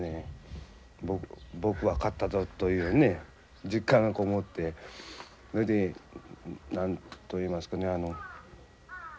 僕は勝ったぞというね実感がこもってそれで何と言いますかね涙がこう男泣きですかね。